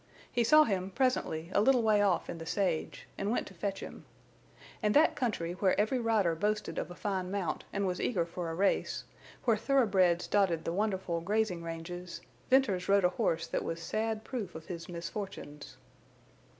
He saw him, presently, a little way off in the sage, and went to fetch him. In that country, where every rider boasted of a fine mount and was eager for a race, where thoroughbreds dotted the wonderful grazing ranges, Venters rode a horse that was sad proof of his misfortunes.